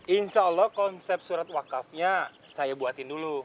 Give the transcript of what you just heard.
insya allah konsep surat wakafnya saya buatin dulu